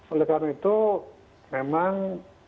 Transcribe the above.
oleh karena itu memang